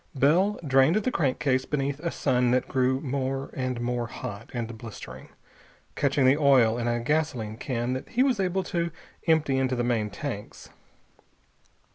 Bell drained the crankcase beneath a sun that grew more and more hot and blistering, catching the oil in a gasoline can that he was able to empty into the main tanks.